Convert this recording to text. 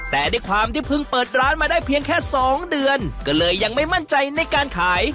แต่ด้วยความที่เพิ่งเปิดร้านมาได้เพียงแค่๒เดือนก็เลยยังไม่มั่นใจในการขาย